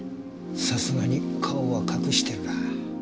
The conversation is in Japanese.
さすがに顔は隠してるか。